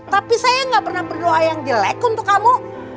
tapi saya gak pernah berdoa yang jelek untuk kamu